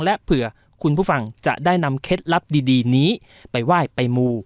และเผื่อคุณผู้ฟังจะได้นำเคล็ดลับดีนี้ไปไหว้ไปมู